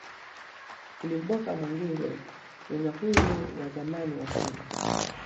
Ulimboka Mwangingwe Winga huyu wa zamani wa Simba